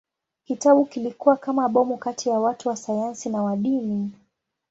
Kitabu kilikuwa kama bomu kati ya watu wa sayansi na wa dini.